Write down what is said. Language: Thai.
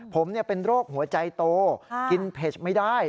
ผมเป็นโรคหัวใจโตกินเผ็ดไม่ได้